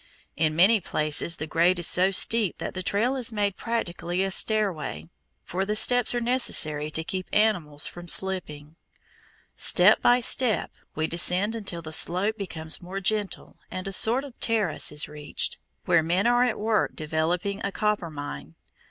In many places the grade is so steep that the trail is made practically a stairway, for the steps are necessary to keep animals from slipping. Step by step we descend until the slope becomes more gentle and a sort of terrace is reached, where men are at work developing a copper mine.